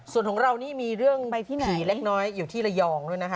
ส่วนของเรานี่มีเรื่องผีเล็กน้อยอยู่ที่ระยองด้วยนะคะ